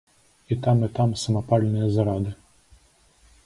І там і там самапальныя зарады.